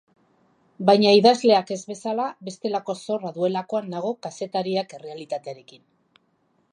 Baina idazleak ez bezala, bestelako zorra duelakoan nago kazetariak errealitatearekin.